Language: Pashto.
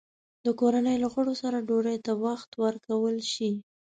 د کورنۍ له غړو سره ډوډۍ ته وخت ورکول شي؟